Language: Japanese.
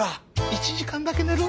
１時間だけ寝る？